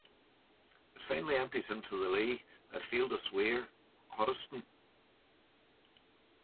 It finally empties into the Lea at Feildes Weir, Hoddesdon.